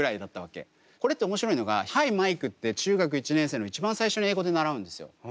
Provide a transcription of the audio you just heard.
これって面白いのが「Ｈｉ，Ｍｉｋｅ」って中学１年生の一番最初に英語で習うんですよ。